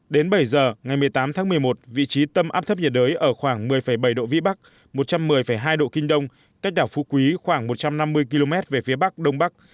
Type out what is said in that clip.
đến bảy giờ ngày một mươi tám tháng một mươi một vị trí tâm áp thấp nhiệt đới ở khoảng một mươi bảy độ vĩ bắc một trăm một mươi hai độ kinh đông cách đảo phú quý khoảng một trăm năm mươi km về phía bắc đông bắc